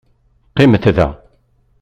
Qimet da.